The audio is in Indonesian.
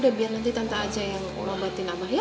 udah biar nanti tante aja yang ngobatin abah ya